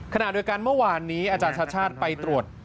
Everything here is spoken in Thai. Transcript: ขณะเดียวกันเมื่อวานนี้อาจารย์ชาติชาติไปตรวจ